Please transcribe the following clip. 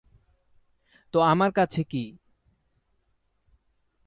- তো আমার কাছে কি?